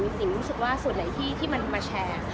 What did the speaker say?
มีนิ้งรู้สึกว่าส่วนไหลที่คิดมาแชร์